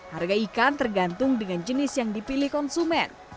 harga ikan tergantung dengan jenis yang dipilih konsumen